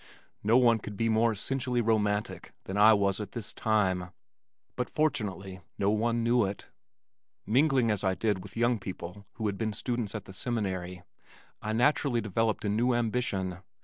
No one could be more essentially romantic than I was at this time but fortunately no one knew it! Mingling as I did with young people who had been students at the Seminary, I naturally developed a new ambition.